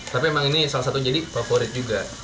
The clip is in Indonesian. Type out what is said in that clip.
tapi memang ini salah satu jadi favorit juga